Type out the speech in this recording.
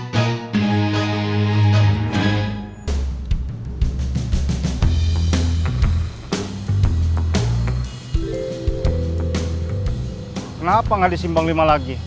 kenapa nggak disimbang lima lagi